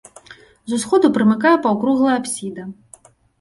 З усходу прымыкае паўкруглая апсіда.